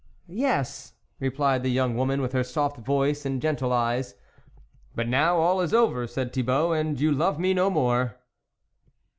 " Yes," replied the young woman with her soft voice and gentle eyes. " But now, all is over," said Thibault, " and you love me no more."